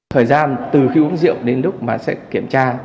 thời gian từ khi uống rượu đến lúc mà sẽ kiểm tra